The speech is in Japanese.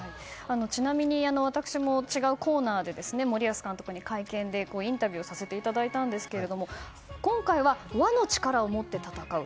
ちなみに私も違うコーナーで森保監督に会見でインタビューさせていただいたんですけど今回は和の力をもって戦う。